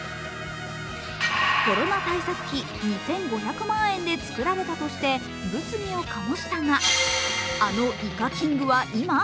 コロナ対策費２５００万円でつくられたとして物議を醸したがあのイカキングは今？